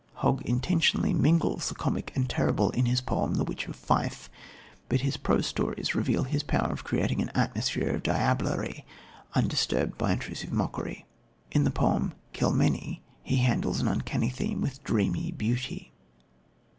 Hogg intentionally mingles the comic and the terrible in his poem, The Witch of Fife, but his prose stories reveal his power of creating an atmosphere of diablerie, undisturbed by intrusive mockery. In the poem Kilmeny, he handles an uncanny theme with dreamy beauty.